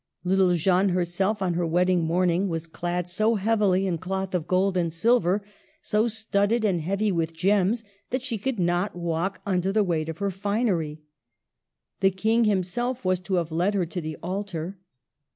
Little Jeanne herself, on her wedding morning, was clad so heavily in cloth of gold and silver, so studded and heavy with gems, that she could not walk under the weight of her finery. The King himself was to have led her to the altar.